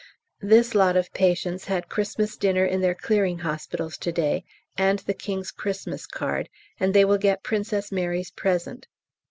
This lot of patients had Xmas dinner in their Clearing Hospitals to day, and the King's Xmas card, and they will get Princess Mary's present.